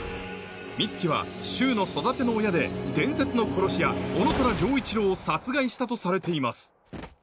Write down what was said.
美月は柊の育ての親で伝説の殺し屋男虎丈一郎を殺害したとされています